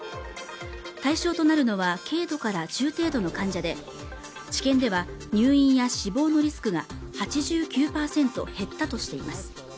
対象となるのは、軽度から中程度の患者で、治験では入院や死亡のリスクが８９％減ったとしています。